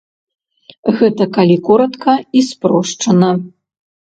Гэта калі коратка і спрошчана.